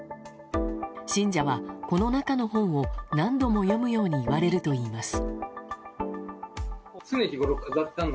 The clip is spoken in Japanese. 信者はこの中の本を何度も読むように言われるといいます。